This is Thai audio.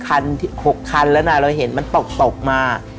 คันที่หกคันแล้วน่ะเราเห็นมันตกตกมา